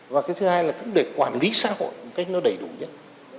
và cái thứ hai là cũng để quản lý xã hội một cách nó đầy đủ nhất